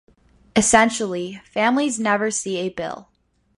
Essentially, families never see a bill.